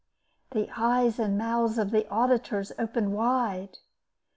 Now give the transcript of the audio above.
The eyes and mouths of the auditors opened wide.